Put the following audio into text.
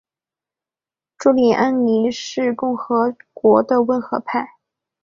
朱利安尼是共和党的温和派。